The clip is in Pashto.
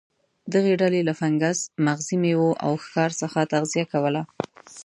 دغه ډلې له فنګس، مغزي میوو او ښکار څخه تغذیه کوله.